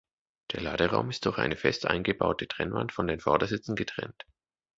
Der Laderaum ist durch eine fest eingebaute Trennwand von den Vordersitzen getrennt.